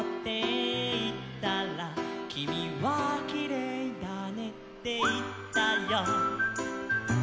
「きみはきれいだねっていったよ」